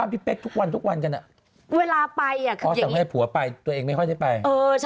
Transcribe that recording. ไม่เคยเจอ